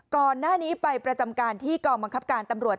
ก่อนหน้านี้ไปประจำการที่กองบังคับการตำรวจ